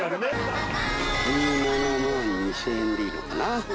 １７万２，０００円でいいのかな？